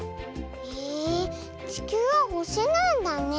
へえちきゅうはほしなんだね。